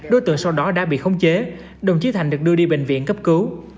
đối tượng sau đó đã bị khống chế đồng chí thành được đưa đi bệnh viện cấp cứu